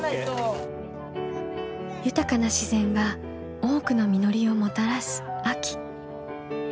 豊かな自然が多くの実りをもたらす秋。